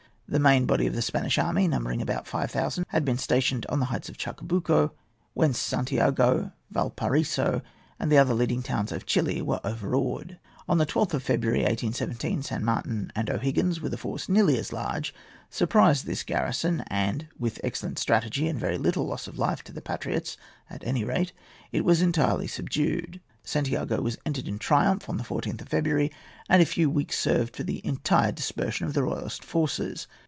The main body of the Spanish army, numbering about five thousand, had been stationed on the heights of Chacabuco, whence Santiago, Valparaiso, and the other leading towns of Chili were overawed. On the 12th of February, 1817, San Martin and O'Higgins, with a force nearly as large, surprised this garrison, and, with excellent strategy and very little loss of life, to the patriots at any rate, it was entirely subdued. Santiago was entered in triumph on the 14th of February, and a few weeks served for the entire dispersion of the royalist forces.